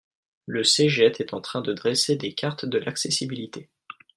Le CGET est en train de dresser des cartes de l’accessibilité.